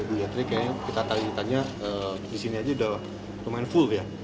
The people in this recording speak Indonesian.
ternyata kayaknya kita tadi ditanya di sini aja udah lumayan full ya